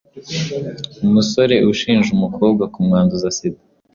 Umusore ushinja umukobwa kumwanduza Sida